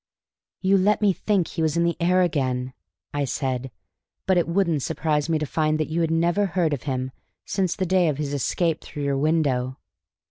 "You let me think he was in the air again," I said. "But it wouldn't surprise me to find that you had never heard of him since the day of his escape through your window."